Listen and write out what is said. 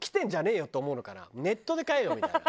「ネットで買えよ」みたいな。